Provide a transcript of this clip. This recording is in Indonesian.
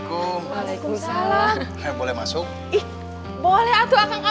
kau nya yang apa pocketsnya